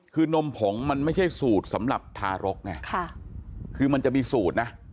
คือนมผงมันไม่ใช่สูตรสำหรับทารกไงคือมันจะมีสูตรนะ